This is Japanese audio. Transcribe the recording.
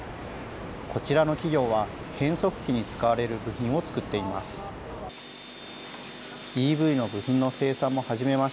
こちらの企業は、変速機に使われる部品を作っています。